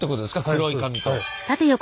黒い紙と。